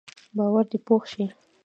باور دې پوخ شي.